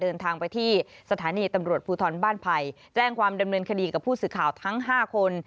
เดินทางไปที่สถานีตำรวจภูทรบ้านไผ่แจ้งความดำเนินคดีกับผู้สื่อข่าวทั้ง๕คน